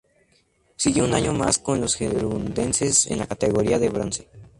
Siguió un año más con los gerundenses en la categoría de bronce.